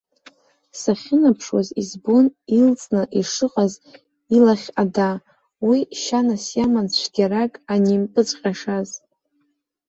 Сахьынаԥшуаз избон илҵны ишыҟаз илахь ада, уи шьанас иаман цәгьарак анимпыҵҟьашаз.